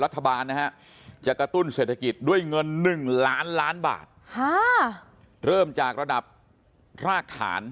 นะฮะจะกระตุ้นเศรษฐกิจด้วยเงิน๑ล้านล้านบาทเริ่มจากระดับรากฐาน